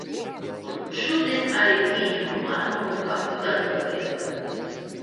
Un šodien arī pieņemam lēmumu, kādu datoru iegādāties.